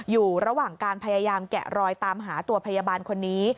อยู่ระหว่างการพยายามแกะรอยตามหาตัวพยาบาลคนนี้